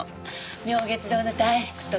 妙月堂の大福とか。